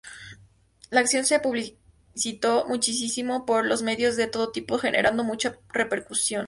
La acción se publicitó muchísimo por los medios de todo tipo generando mucha repercusión.